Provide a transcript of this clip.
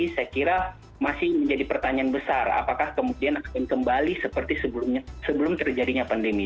saya kira masih menjadi pertanyaan besar apakah kemudian akan kembali seperti sebelum terjadinya pandemi